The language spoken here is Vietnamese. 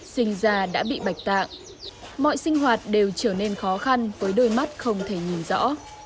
sinh ra đã bị bạch tạng mọi sinh hoạt đều trở nên khó khăn với đôi mắt không thể nhìn rõ